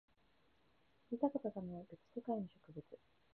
見たことがない別世界の植物